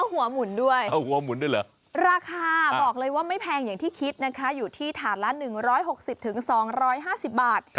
เอาหัวหมุนด้วยราคาบอกเลยว่าไม่แพงอย่างที่คิดนะคะอยู่ที่ถาดละ๑๖๐๒๕๐บาท